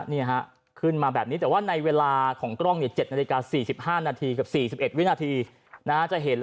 นี่ฮะขึ้นมาแบบนี้แต่ว่าในเวลาของกล้อง๗นาฬิกา๔๕นาทีกับ๔๑วินาทีจะเห็น